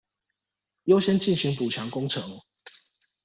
優先進行補強工程